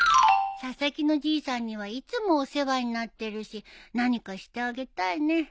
佐々木のじいさんにはいつもお世話になってるし何かしてあげたいね。